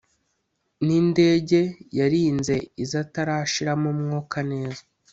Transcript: n’indege yarinze iza atarashiramo umwuka neza